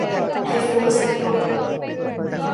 ไทยฟู้ดส์ กรุ๊ป